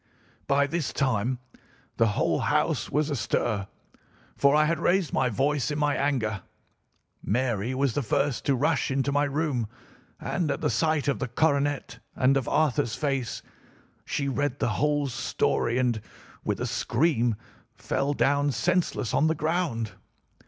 "By this time the whole house was astir, for I had raised my voice in my anger. Mary was the first to rush into my room, and, at the sight of the coronet and of Arthur's face, she read the whole story and, with a scream, fell down senseless on the ground.